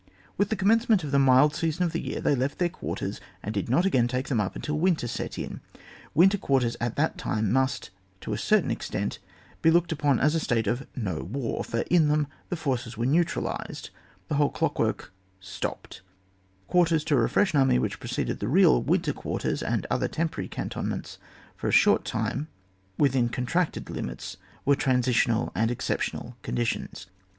With the commencement of the mild season of the year they left their quarters, and did not again take them up until winter set in. Winter quarters at that time must to a certain extent be looked upon as a state of no war, for in them the forces were neutralised, the whole clock work stopped, quarters to refresh an army which preceded the real winter quarters, and other temporary canton ments, for a short time within contracted limits were transitional and exceptional conditions.